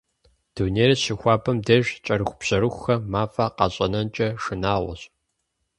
Дунейр щыхуабэм деж кӏэрыхубжьэрыхухэм мафӏэ къащӏэнэнкӏэ шынагъуэщ.